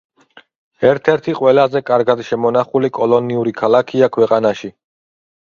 ერთ-ერთი ყველაზე კარგად შემონახული კოლონიური ქალაქია ქვეყანაში.